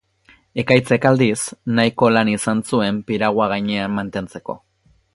Ekaitzek, aldiz, nahiko lan izan zuen piragua gainean mantentzeko.